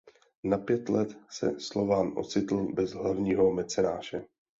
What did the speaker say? Na pět let se Slovan ocitl bez hlavního mecenáše.